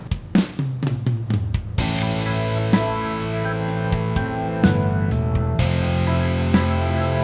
percaya dengan kita